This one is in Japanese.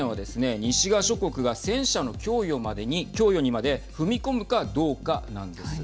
西側諸国が戦車の供与にまで踏み込むかどうかなんです。